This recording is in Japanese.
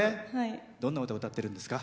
どんな歌を歌ってるんですか？